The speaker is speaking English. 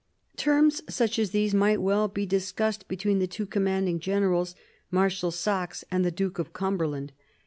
Terms such as these might well be discussed between the two commanding generals, Marshal Saxe and the Duke of Cumberland.